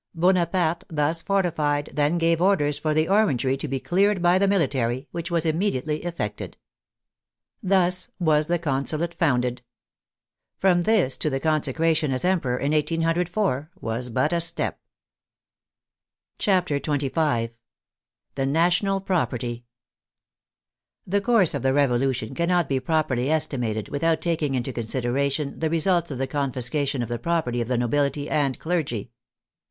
Bonaparte, thus forti fied, then gave orders for the " Orangery " to be cleared by the military, which was immediately effected. Thus was the Consulate founded. From this to the consecra tion as Emperor in 1804 was but a step. CHAPTER XXV THE NATIONAL PROPERTY The course of the Revolution cannot be properly esti mated without taking into consideration the results of the confiscation of the property of the nobility and clergy.